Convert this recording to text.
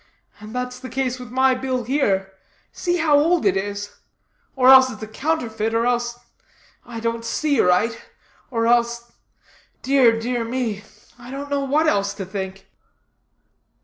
And that's the case with my bill here see how old it is or else it's a counterfeit, or else I don't see right or else dear, dear me I don't know what else to think."